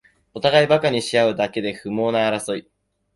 おたがいバカにしあうだけで不毛な争い